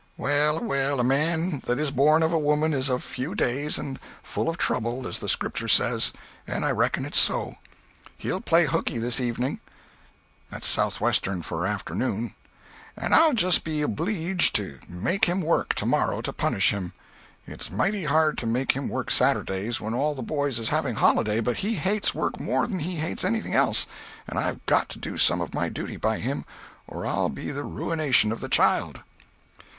Well a well, man that is born of woman is of few days and full of trouble, as the Scripture says, and I reckon it's so. He'll play hookey this evening, * and [* Southwestern for "afternoon"] I'll just be obleeged to make him work, tomorrow, to punish him. It's mighty hard to make him work Saturdays, when all the boys is having holiday, but he hates work more than he hates anything else, and I've got to do some of my duty by him, or I'll be the ruination of the child."